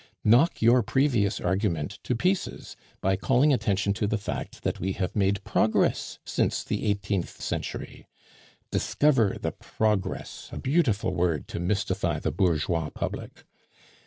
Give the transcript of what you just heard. Knock your previous argument to pieces by calling attention to the fact that we have made progress since the eighteenth century. (Discover the 'progress,' a beautiful word to mystify the bourgeois public.)